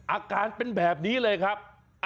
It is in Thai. อาการเป็นแบบนี้เลยครับ